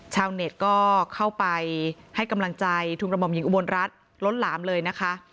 ชาวเน็ตก็เข้าไปให้กำลังใจทุนกระหม่อมหญิงอุบลรัฐล้นหลามเลยนะคะ